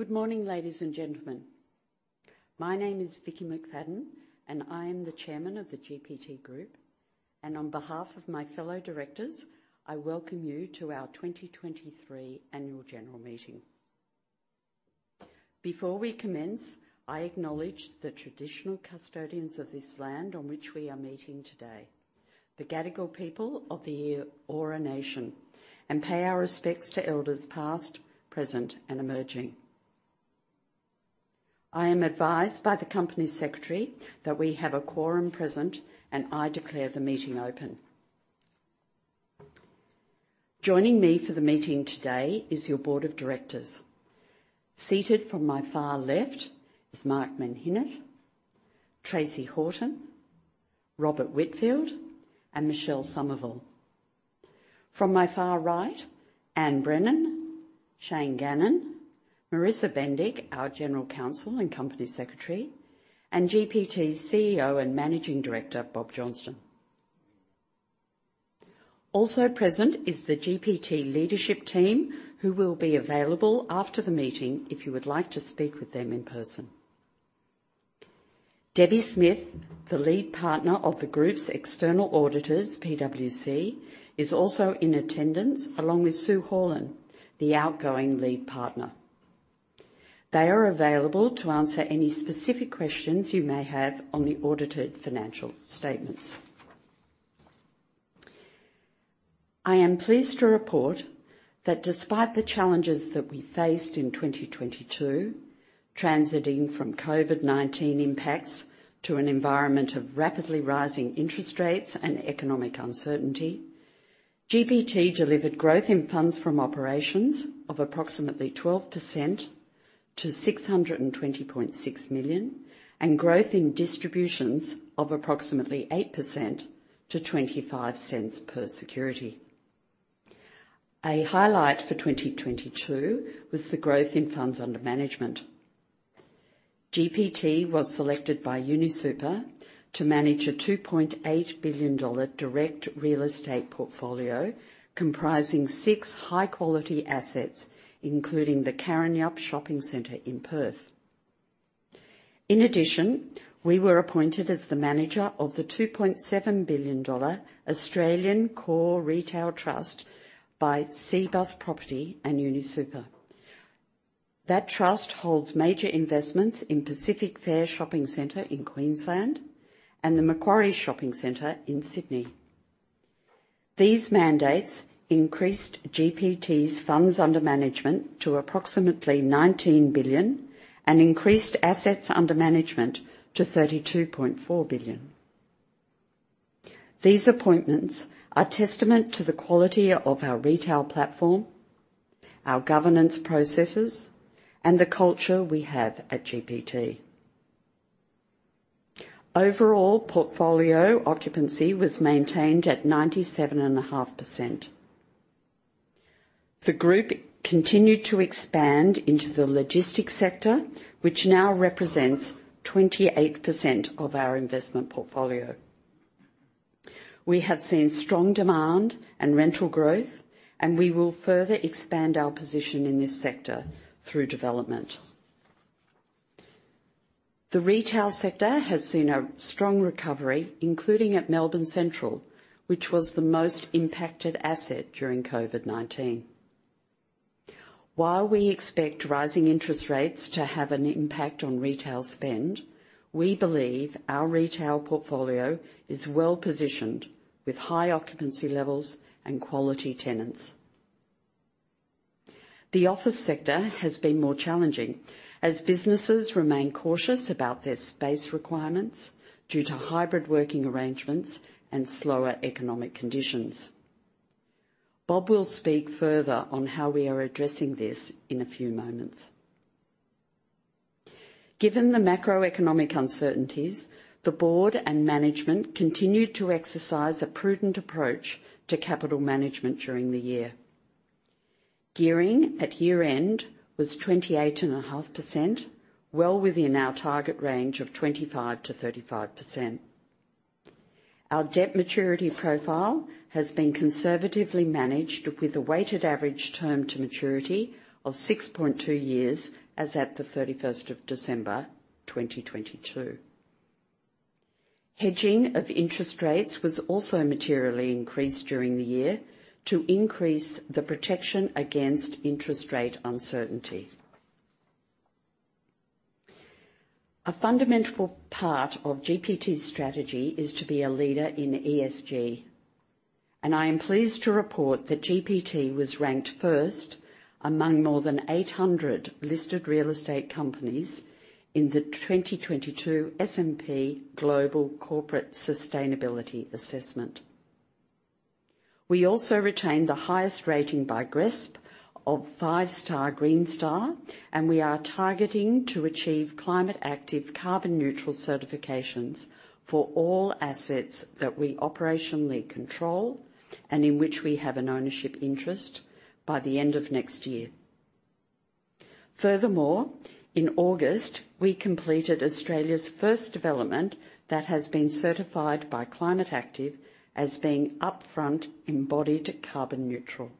Good morning, ladies and gentlemen. My name is Vickki McFadden, I am the Chairman of The GPT Group. On behalf of my fellow directors, I welcome you to our 2023 Annual General Meeting. Before we commence, I acknowledge the traditional custodians of this land on which we are meeting today, the Gadigal people of the Eora Nation, and pay our respects to elders past, present, and emerging. I am advised by the Company Secretary that we have a quorum present. I declare the meeting open. Joining me for the meeting today is your board of directors. Seated from my far left is Mark Menhinnitt, Tracey Horton, Robert Whitfield, and Michelle Somerville. From my far right, Anne Brennan, Shane Gannon, Marissa Bendyk, our General Counsel and Company Secretary, and GPT's CEO and Managing Director, Bob Johnston. Also present is the GPT leadership team who will be available after the meeting if you would like to speak with them in person. Debbie Smith, the lead partner of the group's external auditors, PwC, is also in attendance, along with Sue Horin, the outgoing lead partner. They are available to answer any specific questions you may have on the audited financial statements. I am pleased to report that despite the challenges that we faced in 2022, transiting from COVID-19 impacts to an environment of rapidly rising interest rates and economic uncertainty, GPT delivered growth in funds from operations of approximately 12% to 620.6 million and growth in distributions of approximately 8% to 0.25 per security. A highlight for 2022 was the growth in funds under management. GPT was selected by UniSuper to manage a 2.8 billion dollar direct real estate portfolio comprising six high-quality assets, including the Karrinyup Shopping Centre in Perth. In addition, we were appointed as the manager of the 2.7 billion Australian dollars Australian Core Retail Trust by Cbus Property and UniSuper. That trust holds major investments in Pacific Fair Shopping Centre in Queensland and the Macquarie Centre in Sydney. These mandates increased GPT's funds under management to approximately 19 billion and increased assets under management to 32.4 billion. These appointments are testament to the quality of our retail platform, our governance processes, and the culture we have at GPT. Overall portfolio occupancy was maintained at 97.5%. The group continued to expand into the logistics sector, which now represents 28% of our investment portfolio. We have seen strong demand and rental growth, and we will further expand our position in this sector through development. The retail sector has seen a strong recovery, including at Melbourne Central, which was the most impacted asset during COVID-19. While we expect rising interest rates to have an impact on retail spend, we believe our retail portfolio is well-positioned with high occupancy levels and quality tenants. The office sector has been more challenging as businesses remain cautious about their space requirements due to hybrid working arrangements and slower economic conditions. Bob will speak further on how we are addressing this in a few moments. Given the macroeconomic uncertainties, the board and management continued to exercise a prudent approach to capital management during the year. Gearing at year-end was 28.5%, well within our target range of 25%-35%. Our debt maturity profile has been conservatively managed with a weighted average term to maturity of 6.2 years as at the 31st of December, 2022. Hedging of interest rates was also materially increased during the year to increase the protection against interest rate uncertainty. A fundamental part of GPT's strategy is to be a leader in ESG. I am pleased to report that GPT was ranked first among more than 800 listed real estate companies in the 2022 S&P Global Corporate Sustainability Assessment. We also retained the highest rating by GRESB of five-star green star, and we are targeting to achieve Climate Active carbon neutral certifications for all assets that we operationally control and in which we have an ownership interest by the end of next year. In August, we completed Australia's first development that has been certified by Climate Active as being upfront embodied carbon neutral.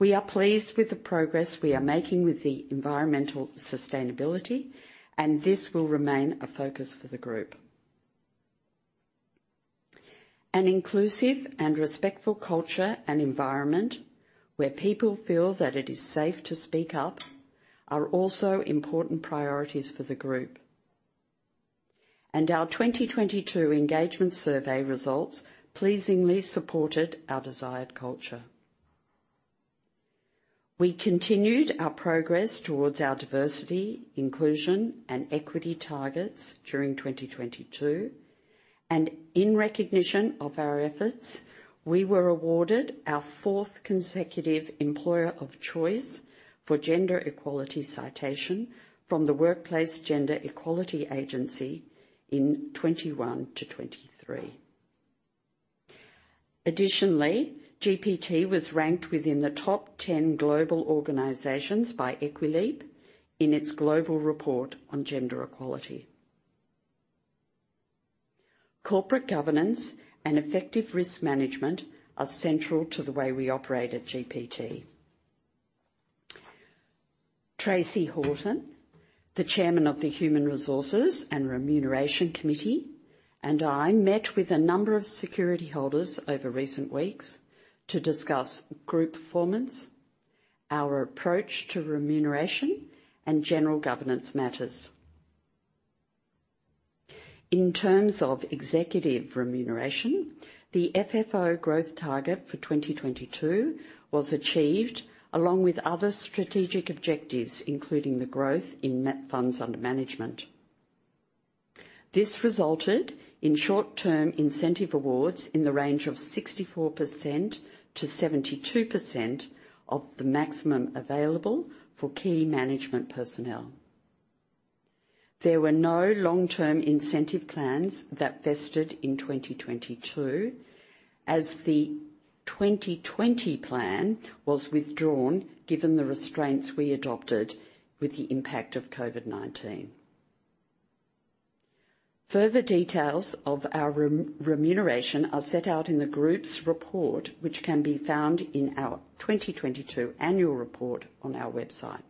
We are pleased with the progress we are making with the environmental sustainability, and this will remain a focus for the Group. An inclusive and respectful culture and environment where people feel that it is safe to speak up are also important priorities for the Group. Our 2022 engagement survey results pleasingly supported our desired culture. We continued our progress towards our diversity, inclusion, and equity targets during 2022, and in recognition of our efforts, we were awarded our fourth consecutive Employer of Choice for gender equality citation from the Workplace Gender Equality Agency in 2021-2023. GPT was ranked within the top 10 global organizations by EquiLeap in its global report on gender equality. Corporate governance and effective risk management are central to the way we operate at GPT. Tracey Horton, the Chairman of the Human Resources and Remuneration Committee, and I met with a number of security holders over recent weeks to discuss group performance, our approach to remuneration, and general governance matters. In terms of executive remuneration, the FFO growth target for 2022 was achieved, along with other strategic objectives, including the growth in net funds under management. This resulted in short-term incentive awards in the range of 64%-72% of the maximum available for key management personnel. There were no long-term incentive plans that vested in 2022 as the 2020 plan was withdrawn given the restraints we adopted with the impact of COVID-19. Further details of our remuneration are set out in the group's report, which can be found in our 2022 annual report on our website.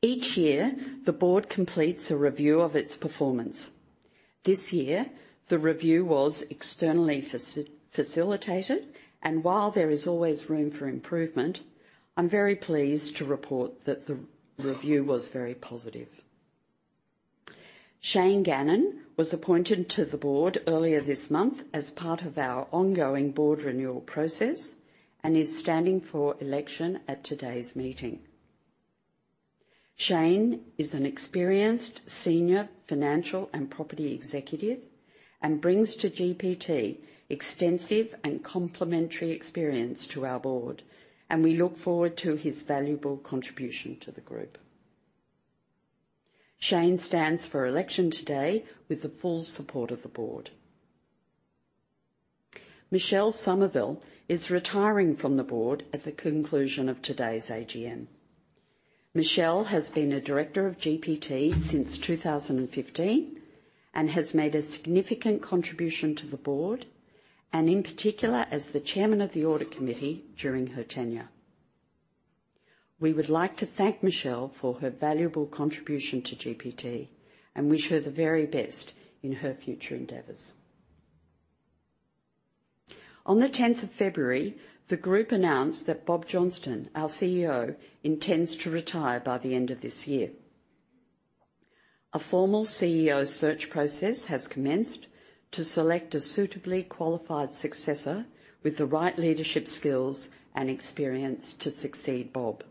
Each year, the board completes a review of its performance. This year, the review was externally facilitated, and while there is always room for improvement, I'm very pleased to report that the review was very positive. Shane Gannon was appointed to the board earlier this month as part of our ongoing board renewal process and is standing for election at today's meeting. Shane is an experienced senior financial and property executive and brings to GPT extensive and complementary experience to our board, and we look forward to his valuable contribution to the group. Shane stands for election today with the full support of the board. Michelle Somerville is retiring from the board at the conclusion of today's AGM. Michelle has been a director of GPT since 2015 and has made a significant contribution to the board, in particular, as the Chairman of the Audit Committee during her tenure. We would like to thank Michelle for her valuable contribution to GPT and wish her the very best in her future endeavors. On the 10th of February, the group announced that Bob Johnston, our CEO, intends to retire by the end of this year. A formal CEO search process has commenced to select a suitably qualified successor with the right leadership skills and experience to succeed Bob.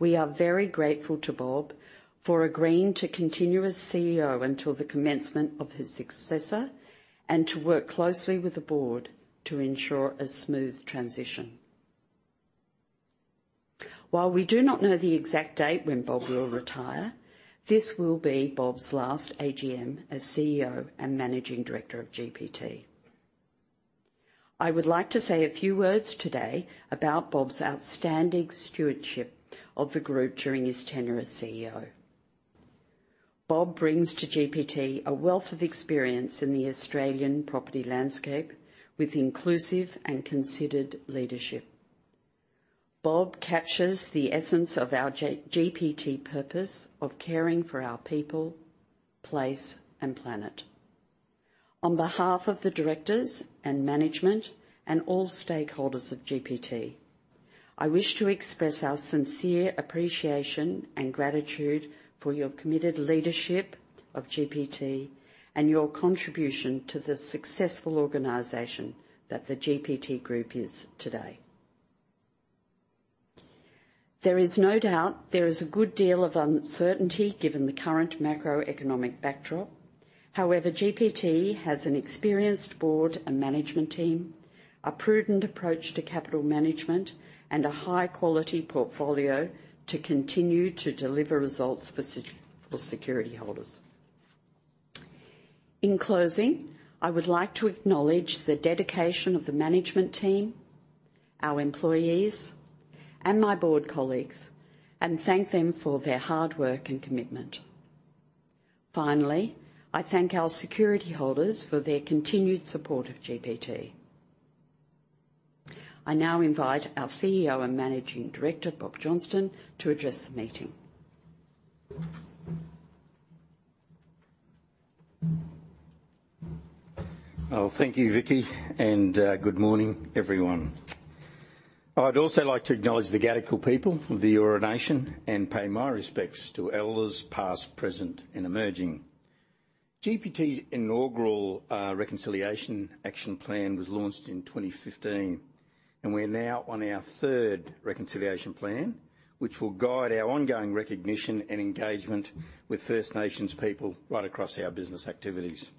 We are very grateful to Bob for agreeing to continue as CEO until the commencement of his successor and to work closely with the board to ensure a smooth transition. While we do not know the exact date when Bob will retire, this will be Bob's last AGM as CEO and Managing Director of GPT. I would like to say a few words today about Bob's outstanding stewardship of the group during his tenure as CEO. Bob brings to GPT a wealth of experience in the Australian property landscape with inclusive and considered leadership. Bob captures the essence of our GPT purpose of caring for our people, place, and planet. On behalf of the directors and management and all stakeholders of GPT, I wish to express our sincere appreciation and gratitude for your committed leadership of GPT and your contribution to the successful organization that The GPT Group is today. There is no doubt there is a good deal of uncertainty given the current macroeconomic backdrop. GPT has an experienced board and management team, a prudent approach to capital management, and a high-quality portfolio to continue to deliver results for security holders. In closing, I would like to acknowledge the dedication of the management team, our employees, and my board colleagues, and thank them for their hard work and commitment. I thank our security holders for their continued support of GPT. I now invite our CEO and Managing Director, Bob Johnston, to address the meeting. Well, thank you, Vickki, and good morning, everyone. I'd also like to acknowledge the Gadigal people of the Eora Nation and pay my respects to elders past, present, and emerging. GPT's inaugural reconciliation action plan was launched in 2015, and we're now on our third reconciliation plan, which will guide our ongoing recognition and engagement with First Nations people right across our business activities.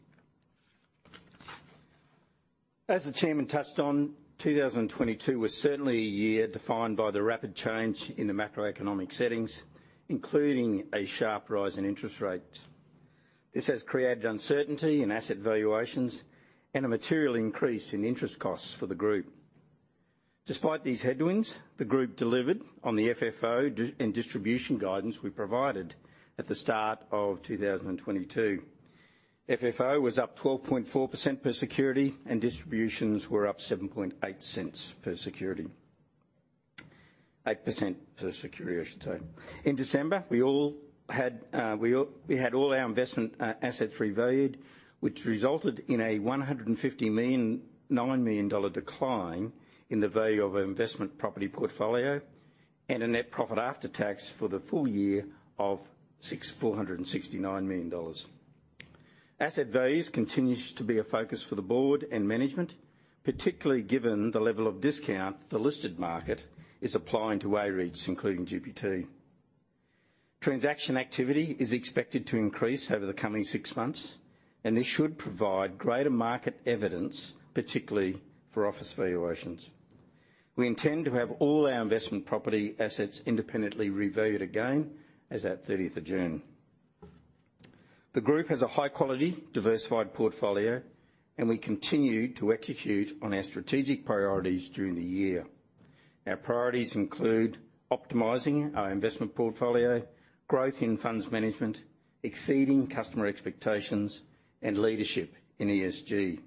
As the chairman touched on, 2022 was certainly a year defined by the rapid change in the macroeconomic settings, including a sharp rise in interest rates. This has created uncertainty in asset valuations and a material increase in interest costs for the group. Despite these headwinds, the group delivered on the FFO and distribution guidance we provided at the start of 2022. FFO was up 12.4% per security, and distributions were up 0.078 per security. 8% per security, I should say. In December, we had all our investment assets revalued, which resulted in an 9 million dollar decline in the value of our investment property portfolio and a net profit after tax for the full year of 469 million dollars. Asset values continues to be a focus for the board and management, particularly given the level of discount the listed market is applying to A-REITs, including GPT. Transaction activity is expected to increase over the coming six months, and this should provide greater market evidence, particularly for office valuations. We intend to have all our investment property assets independently revalued again as at 30th of June. The group has a high-quality, diversified portfolio, and we continue to execute on our strategic priorities during the year. Our priorities include optimizing our investment portfolio, growth in funds management, exceeding customer expectations, and leadership in ESG.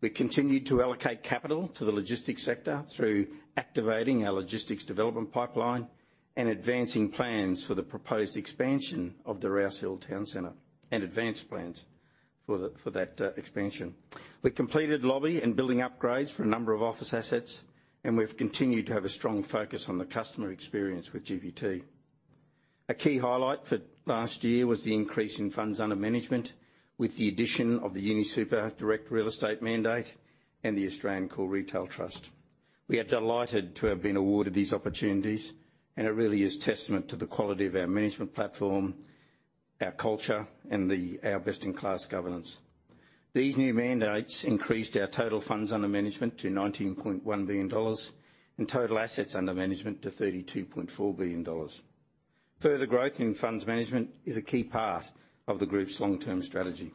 We continued to allocate capital to the logistics sector through activating our logistics development pipeline and advancing plans for the proposed expansion of the Rouse Hill Town Centre and advanced plans for that expansion. We completed lobby and building upgrades for a number of office assets, and we've continued to have a strong focus on the customer experience with GPT. A key highlight for last year was the increase in funds under management, with the addition of the UniSuper direct real estate mandate and the Australian Core Retail Trust. We are delighted to have been awarded these opportunities, and it really is testament to the quality of our management platform, our culture, and our best-in-class governance. These new mandates increased our total funds under management to $19.1 billion and total assets under management to $32.4 billion. Further growth in funds management is a key part of the group's long-term strategy.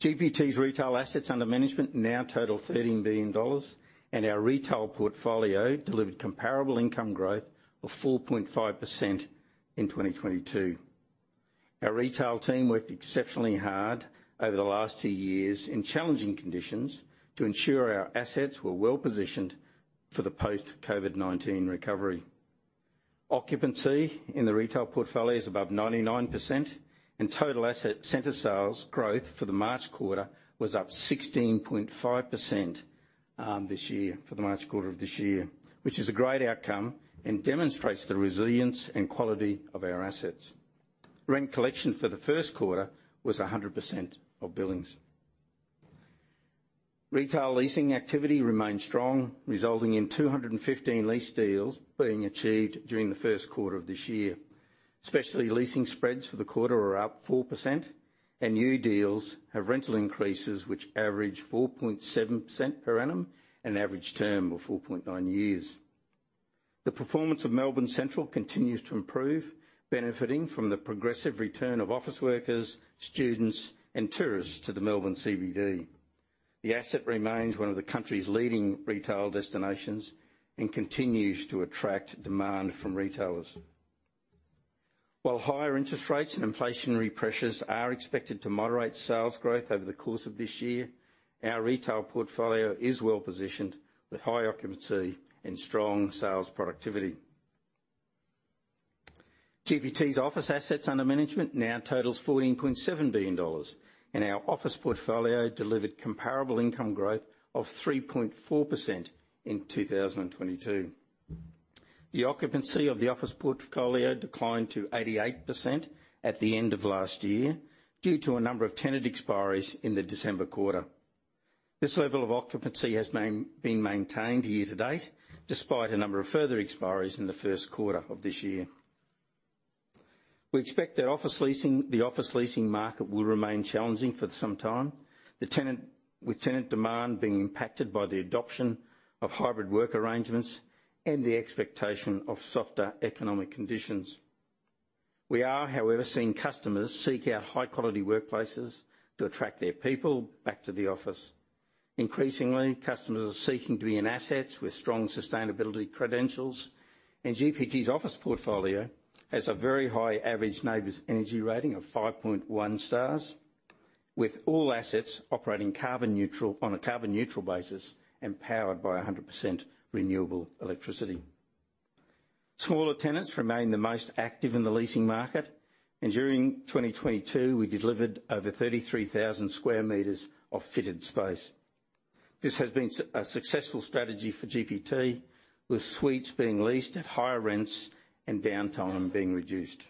GPT's retail assets under management now total $13 billion, and our retail portfolio delivered comparable income growth of 4.5% in 2022. Our retail team worked exceptionally hard over the last two years in challenging conditions to ensure our assets were well-positioned for the post-COVID-19 recovery. Occupancy in the retail portfolio is above 99%, and total asset center sales growth for the March quarter was up 16.5% this year, for the March quarter of this year, which is a great outcome and demonstrates the resilience and quality of our assets. Rent collection for the Q1 was 100% of billings. Retail leasing activity remained strong, resulting in 215 lease deals being achieved during the Q1 of this year. Specialty leasing spreads for the quarter are up 4%, and new deals have rental increases which average 4.7% per annum, an average term of 4.9 years. The performance of Melbourne Central continues to improve, benefiting from the progressive return of office workers, students, and tourists to the Melbourne CBD. The asset remains one of the country's leading retail destinations and continues to attract demand from retailers. While higher interest rates and inflationary pressures are expected to moderate sales growth over the course of this year, our retail portfolio is well-positioned with high occupancy and strong sales productivity. GPT's office assets under management now totals 14.7 billion dollars, and our office portfolio delivered comparable income growth of 3.4% in 2022. The occupancy of the office portfolio declined to 88% at the end of last year due to a number of tenant expiries in the December quarter. This level of occupancy has been maintained year to date, despite a number of further expiries in the Q1 of this year. We expect that the office leasing market will remain challenging for some time. Tenant demand being impacted by the adoption of hybrid work arrangements and the expectation of softer economic conditions. We are, however, seeing customers seek out high-quality workplaces to attract their people back to the office. Increasingly, customers are seeking to be in assets with strong sustainability credentials. GPT's office portfolio has a very high average NABERS energy rating of 5.1 stars, with all assets operating on a carbon neutral basis and powered by 100% renewable electricity. Smaller tenants remain the most active in the leasing market. During 2022, we delivered over 33,000 square meters of fitted space. This has been a successful strategy for GPT, with suites being leased at higher rents and downtime being reduced.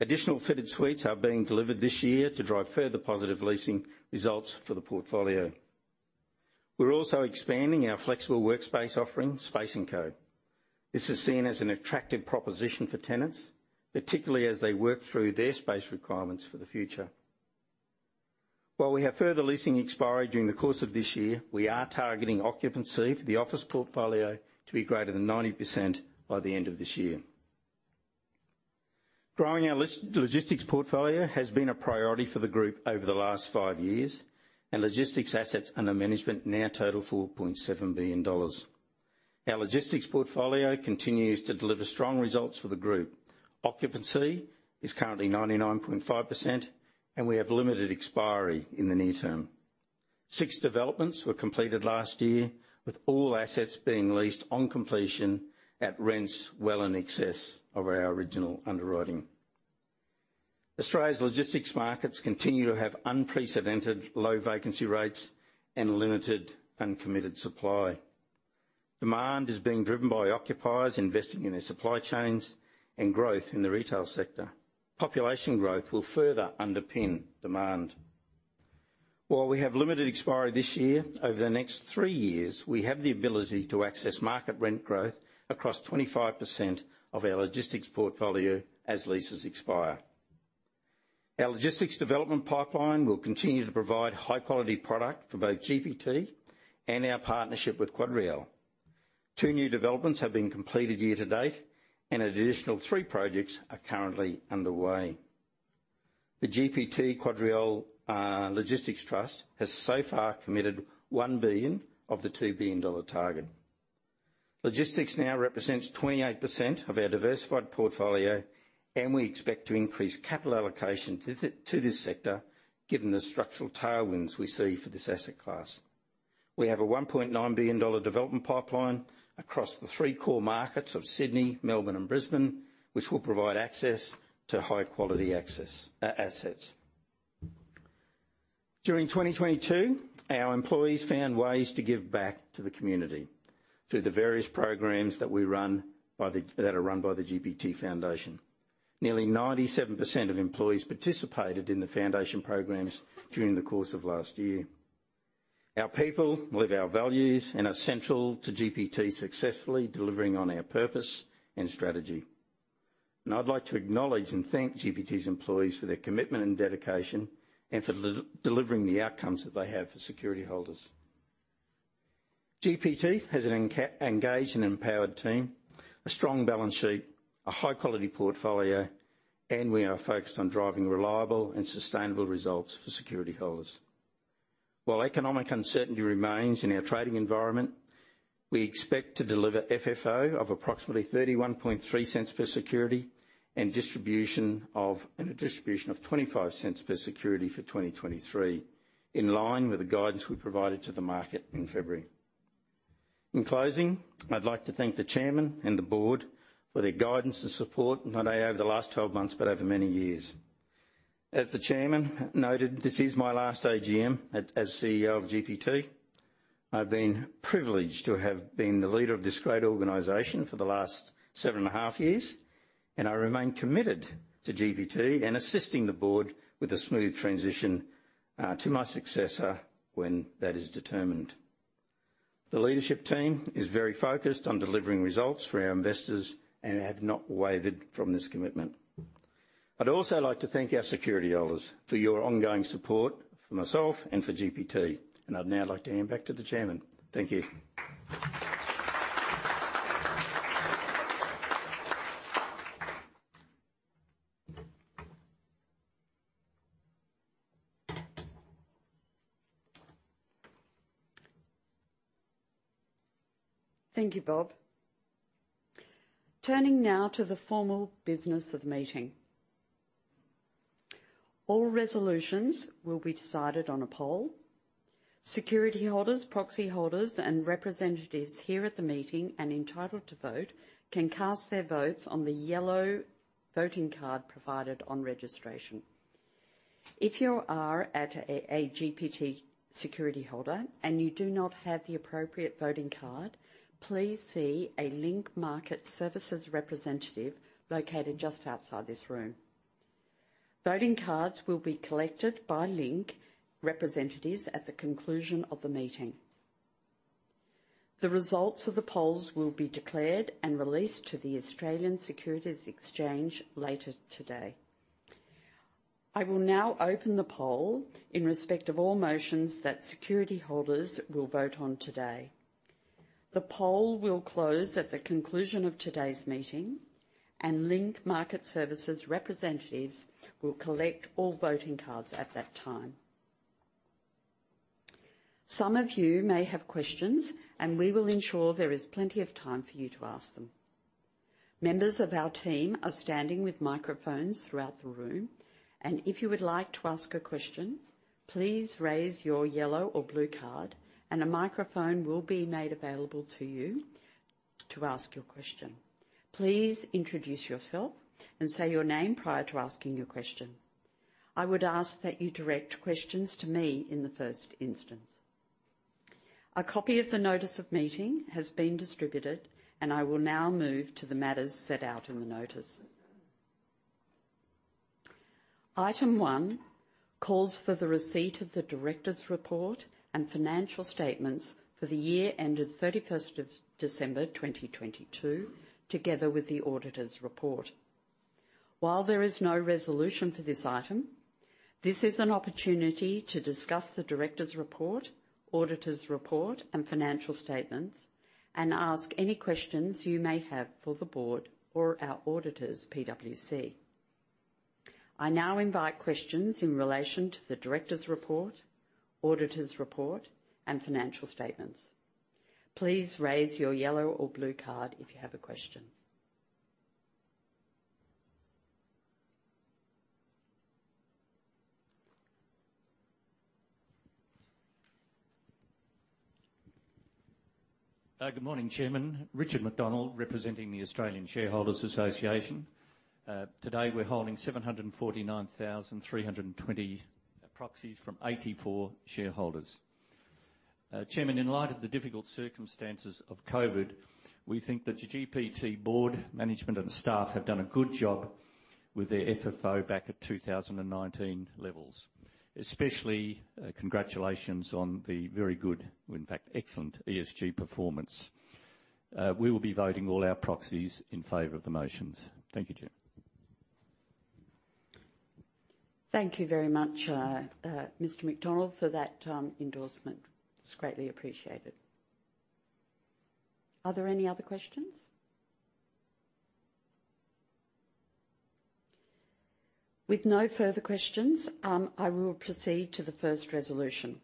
Additional fitted suites are being delivered this year to drive further positive leasing results for the portfolio. We're also expanding our flexible workspace offering, Space&Co. This is seen as an attractive proposition for tenants, particularly as they work through their space requirements for the future. While we have further leasing expiry during the course of this year, we are targeting occupancy for the office portfolio to be greater than 90% by the end of this year. Growing our logistics portfolio has been a priority for the group over the last five years, and logistics assets under management now total 4.7 billion dollars. Our logistics portfolio continues to deliver strong results for the group. Occupancy is currently 99.5%, and we have limited expiry in the near term. Six developments were completed last year, with all assets being leased on completion at rents well in excess of our original underwriting. Australia's logistics markets continue to have unprecedented low vacancy rates and limited uncommitted supply. Demand is being driven by occupiers investing in their supply chains and growth in the retail sector. Population growth will further underpin demand. While we have limited expiry this year, over the next three years, we have the ability to access market rent growth across 25% of our logistics portfolio as leases expire. Our logistics development pipeline will continue to provide high-quality product for both GPT and our partnership with QuadReal. 2 new developments have been completed year to date, an additional 3 projects are currently underway. The GPT QuadReal Logistics Trust has so far committed 1 billion of the 2 billion dollar target. Logistics now represents 28% of our diversified portfolio. We expect to increase capital allocation to this sector, given the structural tailwinds we see for this asset class. We have a 1.9 billion dollar development pipeline across the three core markets of Sydney, Melbourne, and Brisbane, which will provide access to high-quality assets. During 2022, our employees found ways to give back to the community through the various programs that are run by the GPT Foundation. Nearly 97% of employees participated in the foundation programs during the course of last year. Our people live our values and are central to GPT successfully delivering on our purpose and strategy. I'd like to acknowledge and thank GPT's employees for their commitment and dedication, and for delivering the outcomes that they have for security holders. GPT has an engaged and empowered team, a strong balance sheet, a high-quality portfolio, and we are focused on driving reliable and sustainable results for security holders. While economic uncertainty remains in our trading environment, we expect to deliver FFO of approximately 0.313 per security and a distribution of 0.25 per security for 2023, in line with the guidance we provided to the market in February. In closing, I'd like to thank the Chairman and the Board for their guidance and support, not only over the last 12 months, but over many years. As the Chairman noted, this is my last AGM as CEO of GPT. I've been privileged to have been the leader of this great organization for the last seven and a half years, and I remain committed to GPT and assisting the board with a smooth transition to my successor when that is determined. The leadership team is very focused on delivering results for our investors and have not wavered from this commitment. I'd also like to thank our security holders for your ongoing support for myself and for GPT, and I'd now like to hand back to the chairman. Thank you. Thank you, Bob. Turning now to the formal business of the meeting. All resolutions will be decided on a poll. Security holders, proxy holders, and representatives here at the meeting and entitled to vote can cast their votes on the yellow voting card provided on registration. If you are at a GPT security holder and you do not have the appropriate voting card, please see a Link Market Services representative located just outside this room. Voting cards will be collected by Link representatives at the conclusion of the meeting. The results of the polls will be declared and released to the Australian Securities Exchange later today. I will now open the poll in respect of all motions that security holders will vote on today. The poll will close at the conclusion of today's meeting, and Link Market Services representatives will collect all voting cards at that time. Some of you may have questions, and we will ensure there is plenty of time for you to ask them. Members of our team are standing with microphones throughout the room, and if you would like to ask a question, please raise your yellow or blue card and a microphone will be made available to you to ask your question. Please introduce yourself and say your name prior to asking your question. I would ask that you direct questions to me in the first instance. A copy of the notice of meeting has been distributed and I will now move to the matters set out in the notice. Item 1 calls for the receipt of the directors' report and financial statements for the year ended 31st of December, 2022, together with the auditors' report. While there is no resolution for this item, this is an opportunity to discuss the directors' report, auditors' report and financial statements and ask any questions you may have for the Board or our auditors, PwC. I now invite questions in relation to the directors' report, auditors' report and financial statements. Please raise your yellow or blue card if you have a question. Good morning, Chairman. Richard McDonald, representing the Australian Shareholders' Association. Today we're holding 749,320 proxies from 84 shareholders. Chairman, in light of the difficult circumstances of COVID, we think that the GPT board, management and staff have done a good job with their FFO back at 2019 levels. Especially, congratulations on the very good, in fact, excellent ESG performance. We will be voting all our proxies in favor of the motions. Thank you, Chair. Thank you very much, Mr. McDonald, for that endorsement. It's greatly appreciated. Are there any other questions? With no further questions, I will proceed to the first resolution.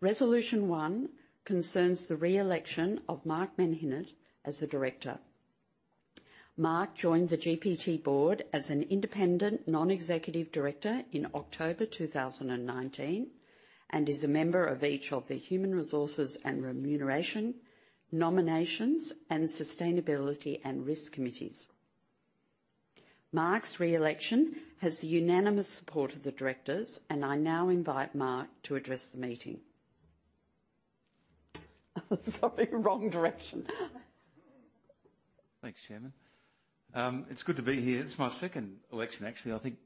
Resolution one concerns the re-election of Mark Menhinnitt as a director. Mark joined the GPT board as an independent non-executive director in October 2019, and is a member of each of the Human Resources and Remuneration, Nominations and Sustainability and Risk Committees. Mark's re-election has the unanimous support of the directors, and I now invite Mark to address the meeting. Sorry, wrong direction. Thanks, Chairman. It's good to be here. It's my second election, actually. I think,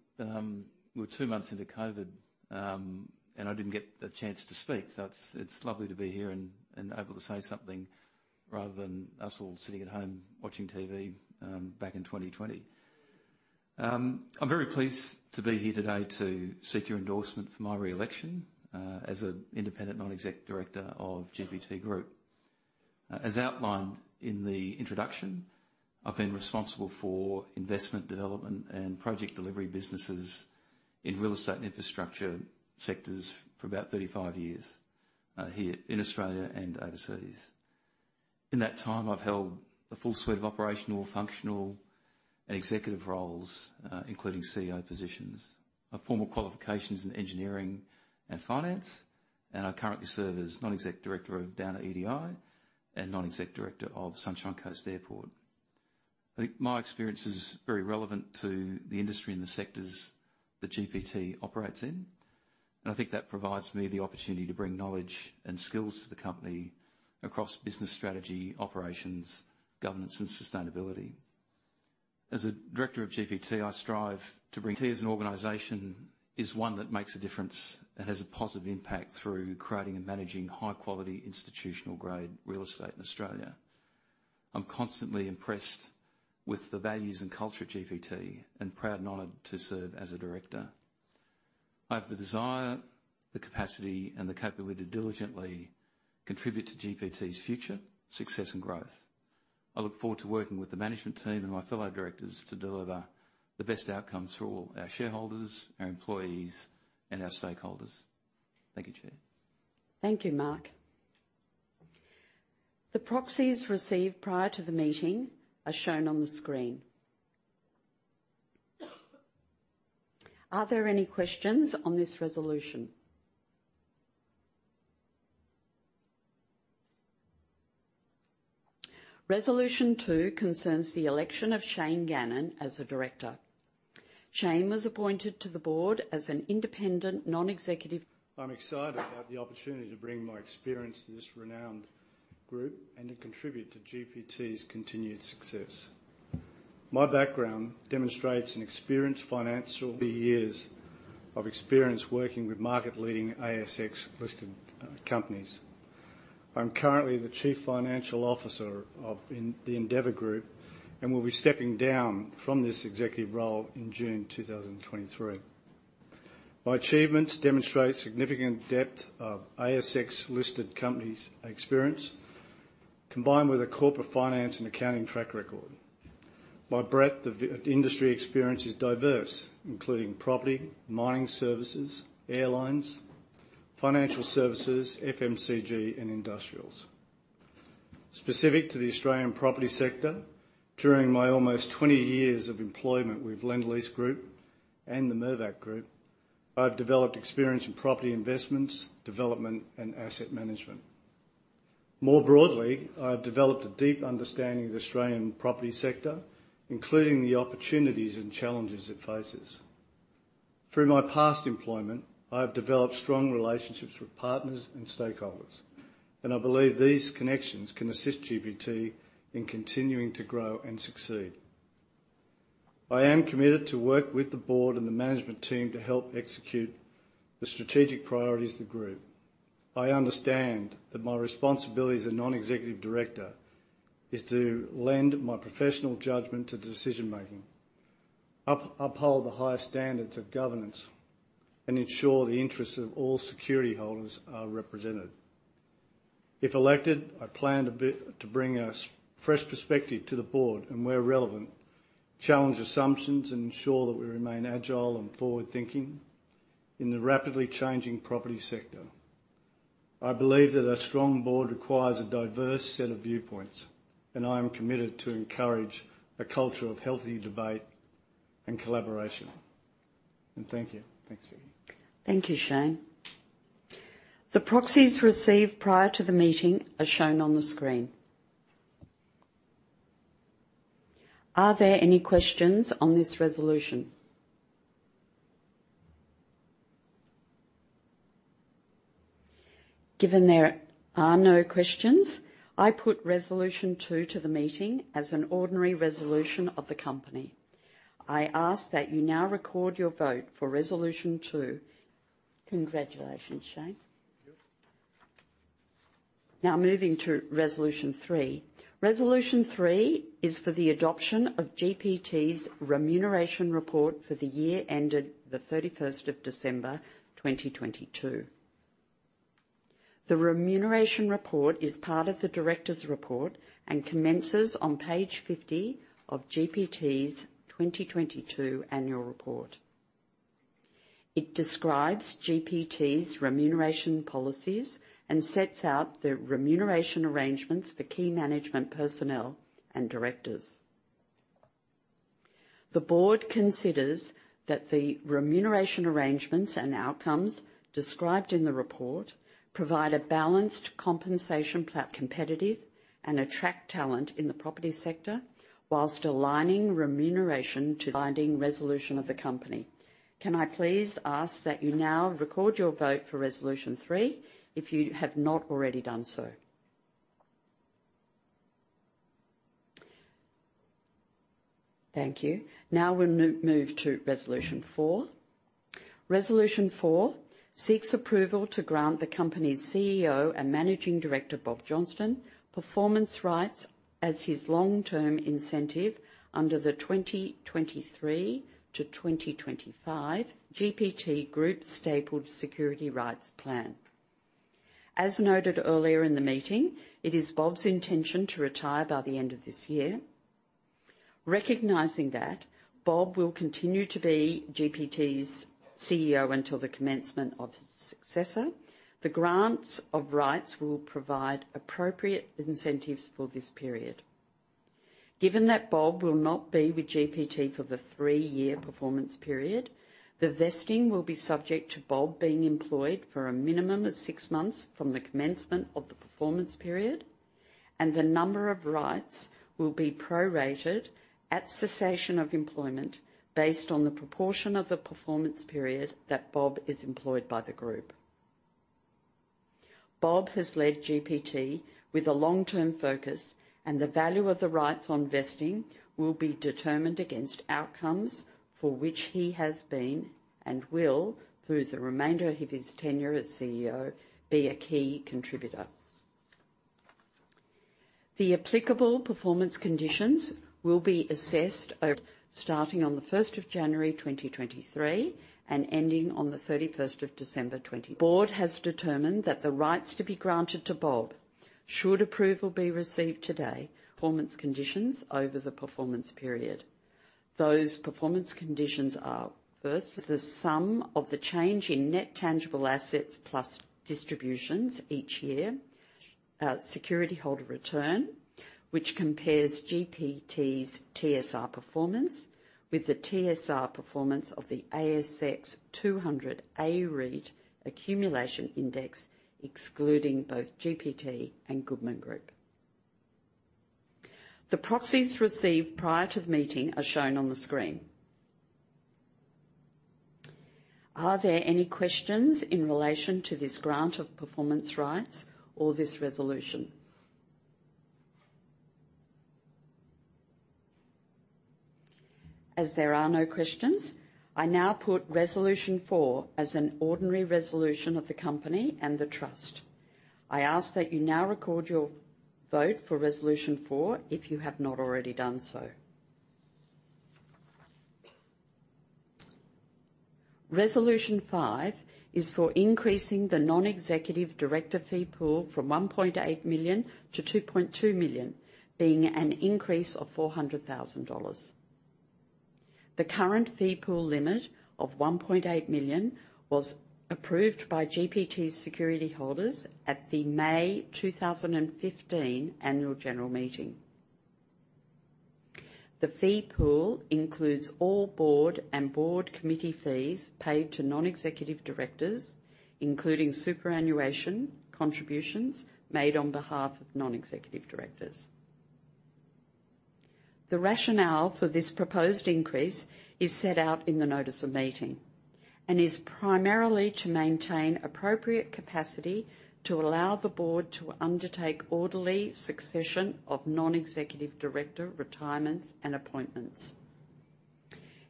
we were two months into COVID, and I didn't get a chance to speak, so it's lovely to be here and able to say something rather than us all sitting at home watching TV, back in 2020. I'm very pleased to be here today to seek your endorsement for my re-election, as an independent non-exec director of GPT Group. As outlined in the introduction, I've been responsible for investment development and project delivery businesses in real estate and infrastructure sectors for about 35 years, here in Australia and overseas. In that time, I've held a full suite of operational, functional and executive roles, including CEO positions. I've formal qualifications in engineering and finance, and I currently serve as non-exec director of Downer EDI and non-exec director of Sunshine Coast Airport. I think my experience is very relevant to the industry and the sectors that GPT operates in, and I think that provides me the opportunity to bring knowledge and skills to the company across business strategy, operations, governance and sustainability. As a director of GPT, I strive to bring T as an organization is one that makes a difference and has a positive impact through creating and managing high-quality institutional-grade real estate in Australia. I'm constantly impressed with the values and culture of GPT and proud and honored to serve as a director. I have the desire, the capacity and the capability to diligently contribute to GPT's future success and growth. I look forward to working with the management team and my fellow directors to deliver the best outcomes for all our shareholders, our employees and our stakeholders. Thank you, Chair. Thank you, Mark. The proxies received prior to the meeting are shown on the screen. Are there any questions on this resolution? Resolution two concerns the election of Shane Gannon as a director. Shane was appointed to the board as an independent non-executive. I'm excited to have the opportunity to bring my experience to this renowned group and to contribute to GPT's continued success. My background demonstrates an experienced financial years of experience working with market-leading ASX listed companies. I'm currently the chief financial officer of the Endeavour Group and will be stepping down from this executive role in June 2023. My achievements demonstrate significant depth of ASX listed companies experience, combined with a corporate finance and accounting track record. My breadth of industry experience is diverse, including property, mining services, airlines, financial services, FMCG, and industrials. Specific to the Australian property sector, during my almost 20 years of employment with Lendlease Group and the Mirvac Group, I've developed experience in property investments, development and asset management. More broadly, I have developed a deep understanding of the Australian property sector, including the opportunities and challenges it faces. Through my past employment, I have developed strong relationships with partners and stakeholders, and I believe these connections can assist GPT in continuing to grow and succeed. I am committed to work with the board and the management team to help execute the strategic priorities of the group. I understand that my responsibility as a non-executive director is to lend my professional judgment to decision-making, uphold the highest standards of governance, and ensure the interests of all security holders are represented. If elected, I plan to bring a fresh perspective to the board and where relevant, challenge assumptions and ensure that we remain agile and forward-thinking in the rapidly changing property sector. I believe that a strong board requires a diverse set of viewpoints, and I am committed to encourage a culture of healthy debate and collaboration. Thank you. Thanks. Thank you, Shane. The proxies received prior to the meeting are shown on the screen. Are there any questions on this Resolution two? Given there are no questions, I put Resolution two to the meeting as an ordinary resolution of the company. I ask that you now record your vote for Resolution two. Congratulations, Shane. Thank you. Now, moving to resolution three. Resolution three is for the adoption of GPT's remuneration report for the year ended the 31st of December, 2022. The remuneration report is part of the Directors' Report and commences on page 50 of GPT's 2022 annual report. It describes GPT's remuneration policies and sets out the remuneration arrangements for key management personnel and directors. The board considers that the remuneration arrangements and outcomes described in the report provide a balanced compensation plat competitive and attract talent in the property sector whilst aligning remuneration to binding resolution of the company. Can I please ask that you now record your vote for resolution three if you have not already done so. Thank you. Now we'll move to resolution four. Resolution 4 seeks approval to grant the company's CEO and Managing Director, Bob Johnston, performance rights as his long-term incentive under the 2023 to 2025 GPT Group Stapled Security Rights Plan. As noted earlier in the meeting, it is Bob's intention to retire by the end of this year. Recognizing that, Bob will continue to be GPT's CEO until the commencement of his successor. The grants of rights will provide appropriate incentives for this period. Given that Bob will not be with GPT for the three-year performance period, the vesting will be subject to Bob being employed for a minimum of six months from the commencement of the performance period, and the number of rights will be prorated at cessation of employment based on the proportion of the performance period that Bob is employed by the Group. Bob has led GPT with a long-term focus, and the value of the rights on vesting will be determined against outcomes for which he has been and will, through the remainder of his tenure as CEO, be a key contributor. The applicable performance conditions will be assessed at starting on January 1, 2023, and ending on December 31, 20. Board has determined that the rights to be granted to Bob should approval be received today, performance conditions over the performance period. Those performance conditions are, first, the sum of the change in net tangible assets plus distributions each year, security holder return, which compares GPT's TSR performance with the TSR performance of the ASX 200 A-REIT Accumulation Index, excluding both GPT and Goodman Group. The proxies received prior to the meeting are shown on the screen. Are there any questions in relation to this grant of performance rights or this resolution? There are no questions, I now put Resolution four as an ordinary resolution of the company and the Trust. I ask that you now record your vote for Resolution four, if you have not already done so. Resolution 5 is for increasing the non-executive director fee pool from 1.8 million to 2.2 million, being an increase of 400,000 dollars. The current fee pool limit of 1.8 million was approved by GPT security holders at the May 2015 annual general meeting. The fee pool includes all board and board committee fees paid to non-executive directors, including superannuation contributions made on behalf of non-executive directors. The rationale for this proposed increase is set out in the notice of meeting and is primarily to maintain appropriate capacity to allow the board to undertake orderly succession of non-executive director retirements and appointments,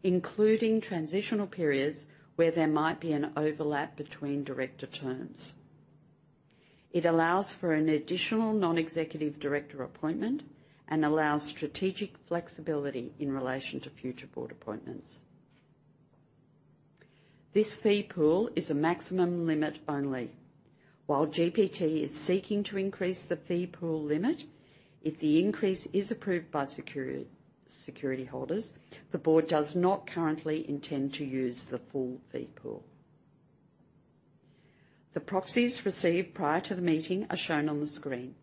including transitional periods where there might be an overlap between director terms. It allows for an additional non-executive director appointment and allows strategic flexibility in relation to future board appointments. This fee pool is a maximum limit only. While GPT is seeking to increase the fee pool limit, if the increase is approved by security holders, the board does not currently intend to use the full fee pool. The proxies received prior to the meeting are shown on the screen.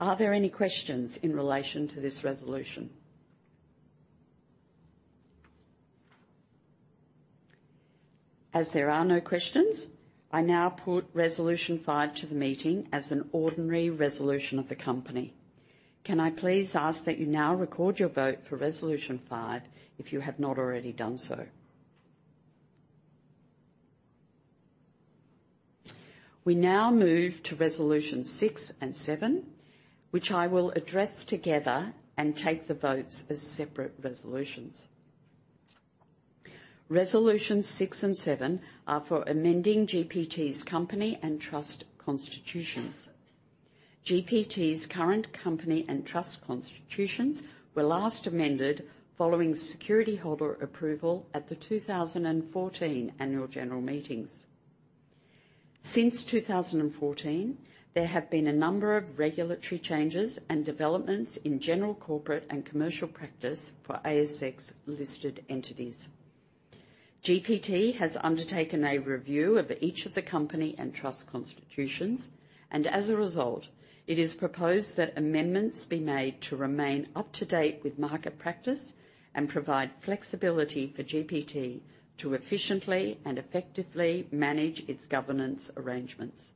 Are there any questions in relation to this resolution? As there are no questions, I now put resolution five to the meeting as an ordinary resolution of the company. Can I please ask that you now record your vote for Resolution 5, if you have not already done so. We now move to Resolution 6 and 7, which I will address together and take the votes as separate resolutions. Resolutions 6 and 7 are for amending GPT's company and trust constitutions. GPT's current company and trust constitutions were last amended following security holder approval at the 2014 annual general meetings. Since 2014, there have been a number of regulatory changes and developments in general corporate and commercial practice for ASX-listed entities. GPT has undertaken a review of each of the company and trust constitutions. As a result, it is proposed that amendments be made to remain up to date with market practice and provide flexibility for GPT to efficiently and effectively manage its governance arrangements.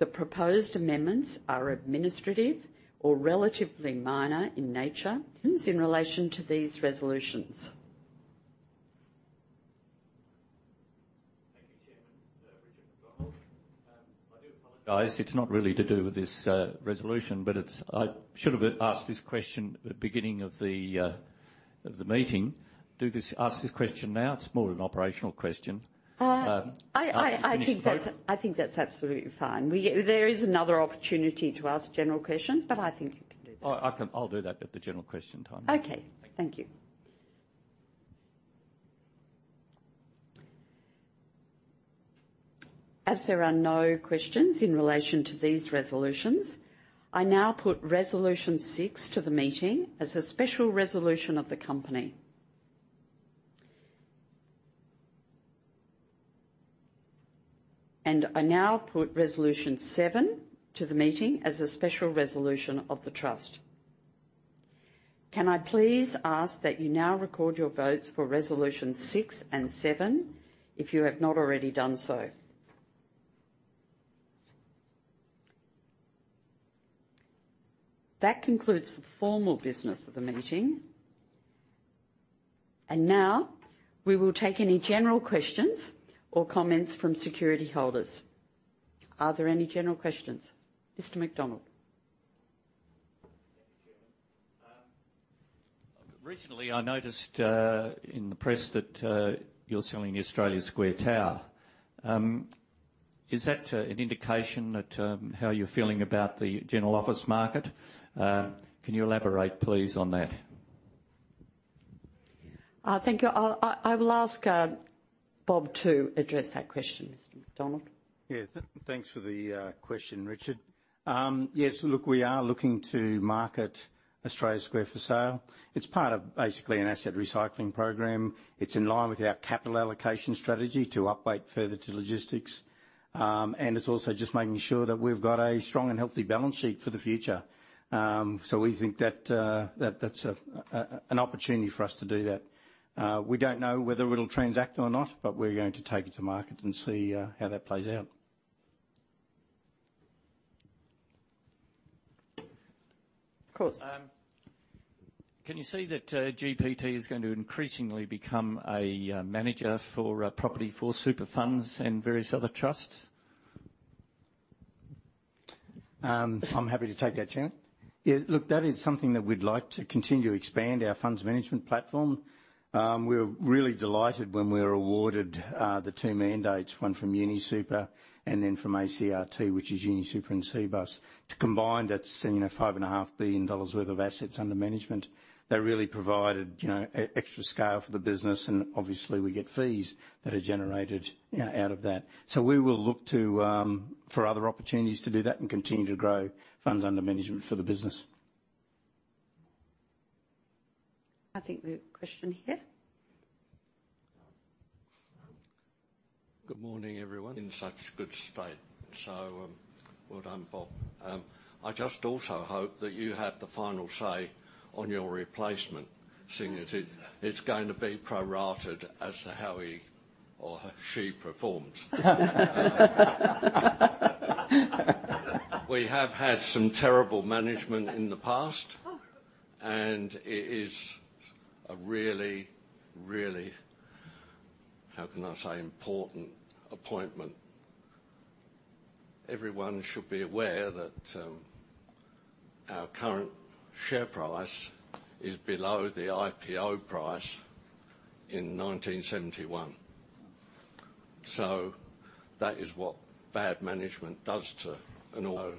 The proposed amendments are administrative or relatively minor in nature. In relation to these resolutions. Thank you, Chairman. Richard McDonald. I do apologize, it's not really to do with this resolution, but I should have asked this question at the beginning of the meeting. ask this question now, it's more an operational question. I think. Can I finish my vote? I think that's absolutely fine. There is another opportunity to ask general questions, but I think you can do that. Oh, I can. I'll do that at the general question time. Okay. Thank you. Thank you. As there are no questions in relation to these resolutions, I now put resolution six to the meeting as a special resolution of the company. I now put resolution seven to the meeting as a special resolution of the trust. Can I please ask that you now record your votes for resolution 6 and 7, if you have not already done so. That concludes the formal business of the meeting. Now, we will take any general questions or comments from security holders. Are there any general questions? Mr. McDonald. Thank you, Chairman. Recently I noticed in the press that you're selling Australia Square Tower. Is that an indication at how you're feeling about the general office market? Can you elaborate, please, on that? Thank you. I will ask, Bob to address that question, Mr. McDonald. Yeah. Thanks for the question, Richard. Yes, look, we are looking to market Australia Square for sale. It's part of basically an asset recycling program. It's in line with our capital allocation strategy to upbeat further to logistics. It's also just making sure that we've got a strong and healthy balance sheet for the future. We think that that's an opportunity for us to do that. We don't know whether it'll transact or not, but we're going to take it to market and see how that plays out. Of course. Can you see that GPT is going to increasingly become a manager for property for super funds and various other trusts? I'm happy to take that, chairman. That is something that we'd like to continue to expand our funds management platform. We were really delighted when we were awarded the two mandates, one from UniSuper and then from Australian Core Retail Trust, which is UniSuper and Cbus. To combine, that's, you know, five and a half billion dollars worth of assets under management. They really provided, you know, extra scale for the business, and obviously we get fees that are generated out of that. We will look to for other opportunities to do that and continue to grow funds under management for the business. I think we have a question here. Good morning, everyone. In such good state, well done, Bob. I just also hope that you have the final say on your replacement, seeing that it's going to be prorated as to how he or she performs. We have had some terrible management in the past, and it is a really, how can I say, important appointment. Everyone should be aware that our current share price is below the IPO price in 1971. That is what bad management does to an org--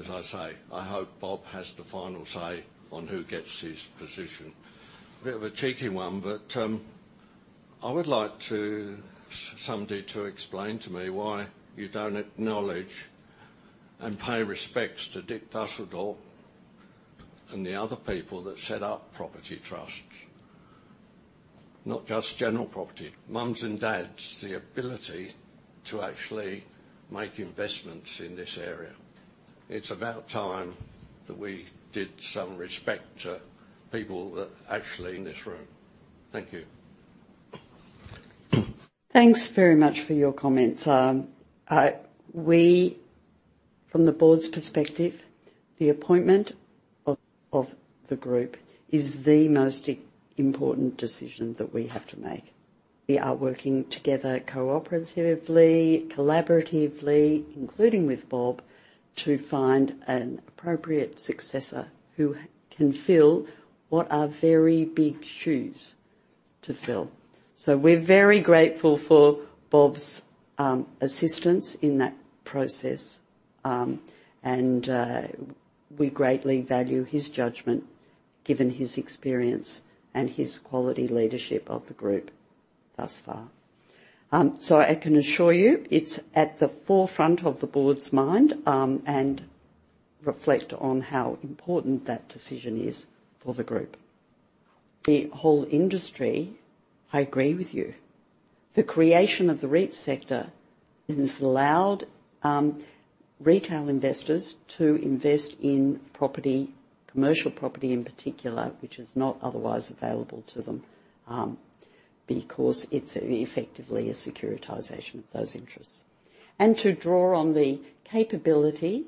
As I say, I hope Bob has the final say on who gets his position. Thanks very much for your comments. We from the Board's perspective, the appointment of the Group is the most important decision that we have to make. We are working together cooperatively, collaboratively, including with Bob, to find an appropriate successor who can fill what are very big shoes to fill. We're very grateful for Bob's assistance in that process. We greatly value his judgment, given his experience and his quality leadership of the Group thus far. I can assure you it's at the forefront of the Board's mind, and reflect on how important that decision is for the Group. The whole industry, I agree with you. The creation of the REIT sector has allowed retail investors to invest in property, commercial property in particular, which is not otherwise available to them, because it's effectively a securitization of those interests. To draw on the capability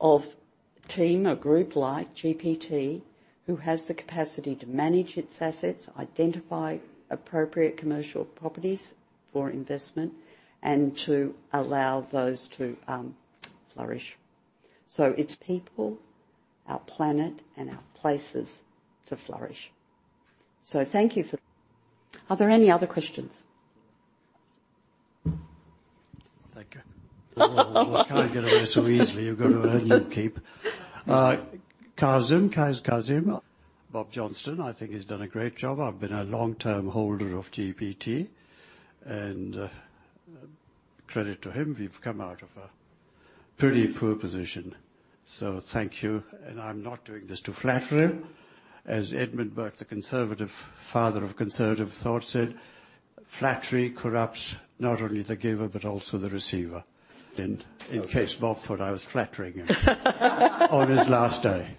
of team, a group like GPT, who has the capacity to manage its assets, identify appropriate commercial properties for investment, and to allow those to flourish. It's people, our planet, and our places to flourish. Thank you for. Are there any other questions? Thank you. You can't get away so easily. You've got to earn your keep. Kaz Kassem. Bob Johnston, I think he's done a great job. I've been a long-term holder of GPT, and credit to him, we've come out of a pretty poor position. Thank you. I'm not doing this to flatter him. As Edmund Burke, the conservative father of conservative thought, said, "Flattery corrupts not only the giver, but also the receiver." In case Bob thought I was flattering him on his last day.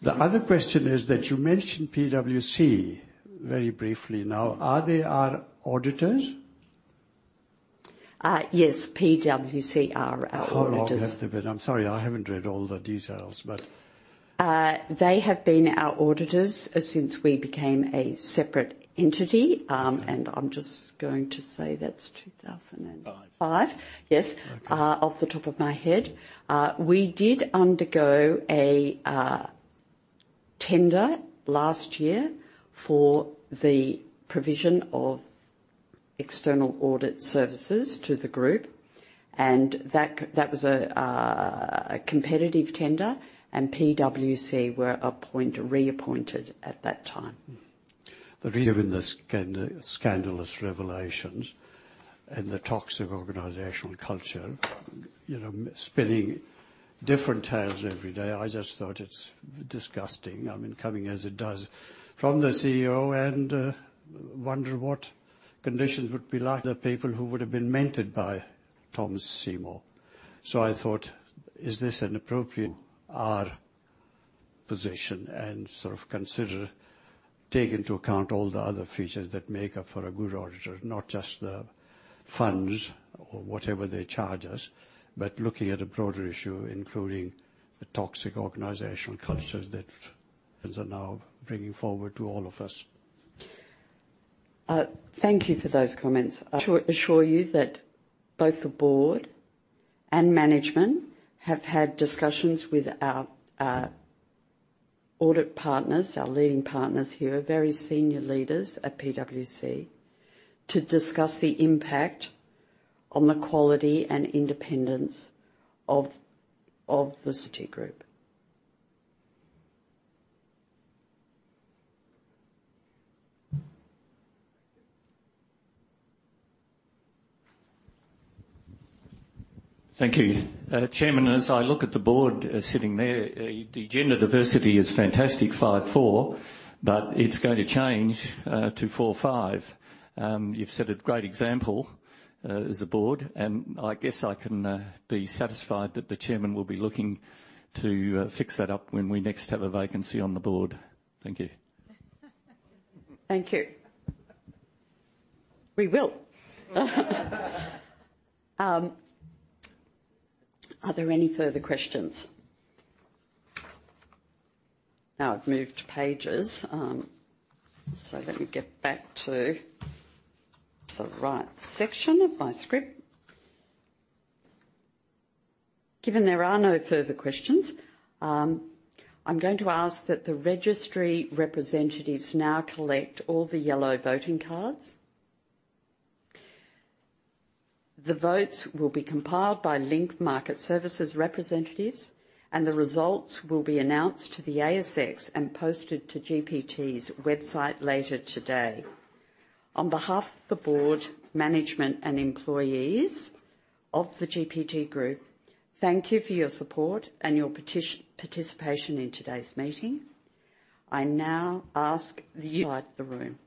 The other question is that you mentioned PwC very briefly. Are they our auditors? Yes, PwC are our auditors. How long have they been? I'm sorry, I haven't read all the details, but... They have been our auditors since we became a separate entity. I'm just going to say that's 2,000 and- Five. Five. Yes. Okay. Off the top of my head. We did undergo a tender last year for the provision of external audit services to the group. That was a competitive tender. PwC were reappointed at that time. The reason this scandalous revelations and the toxic organizational culture, you know, spinning different tales every day, I just thought it's disgusting. I mean, coming as it does from the CEO and, wonder what conditions would be like the people who would have been mentored by Thomas Seymour. I thought, is this an our position and sort of consider take into account all the other features that make up for a good auditor, not just the funds or whatever they charge us. Looking at a broader issue, including the toxic organizational cultures that are now bringing forward to all of us. Thank you for those comments. I assure you that both the board and management have had discussions with our audit partners, our leading partners here, very senior leaders at PwC, to discuss the impact on the quality and independence of the GPT Group. Thank you. Chairman, as I look at the board sitting there, the gender diversity is fantastic, 5-4, but it's going to change, to 4-5. You've set a great example, as a board, and I guess I can be satisfied that the chairman will be looking to fix that up when we next have a vacancy on the board. Thank you. Thank you. We will. Are there any further questions? Now I've moved pages, let me get back to the right section of my script. Given there are no further questions, I'm going to ask that the registry representatives now collect all the yellow voting cards. The votes will be compiled by Link Market Services representatives, and the results will be announced to the ASX and posted to GPT's website later today. On behalf of the board, management, and employees of the GPT Group, thank you for your support and your participation in today's meeting. I now ask the room.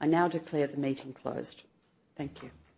I now declare the meeting closed. Thank you.